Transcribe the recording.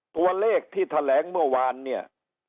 ตัวเลขที่แถลงเมื่อวานเนี่ย